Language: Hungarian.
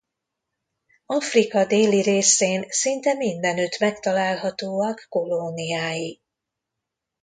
Afrika déli részén szinte mindenütt megtalálhatóak kolóniái.